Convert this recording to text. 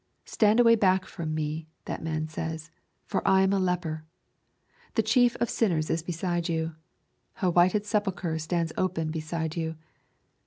Stand away back from me, that man says, for I am a leper. The chief of sinners is beside you. A whited sepulchre stands open beside you.